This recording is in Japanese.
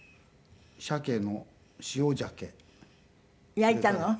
焼いたの？